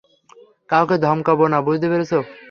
কাউকে ধমকাবো না, বুঝতে পেরেছ?